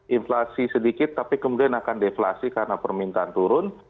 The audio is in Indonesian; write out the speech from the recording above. inflasi sedikit tapi kemudian akan deflasi karena permintaan turun